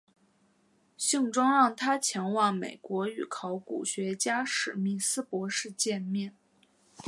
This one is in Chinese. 信中让他前往美国与考古学家史密斯博士见面。